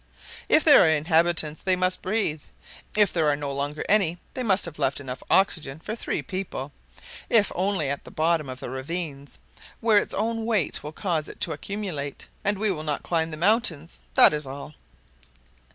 "If there are inhabitants, they must breathe. If there are no longer any, they must have left enough oxygen for three people, if only at the bottom of ravines, where its own weight will cause it to accumulate, and we will not climb the mountains; that is all."